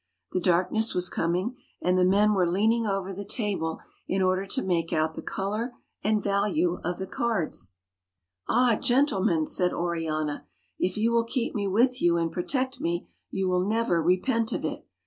The darkness was com ing, and the men were leaning over the table in order to make out the color and value of the cards. THE LAST OF THE FAIRIES 145 "Ah! gentlemen," said Oriana, "if you will keep me with you and protect me, you will never repent of it.